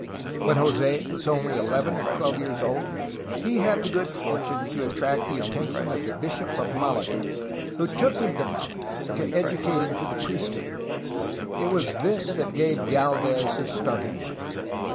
When Jose was only eleven or twelve years old he had the good fortune to attract the attention of the bishop of Malaga, who took him to Malaga to educate him for the priesthood. It was this that gave Gdlvez his start in life.